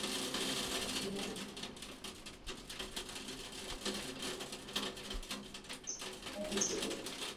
Na akajiunga na kundi akiwa kama mwitikiaji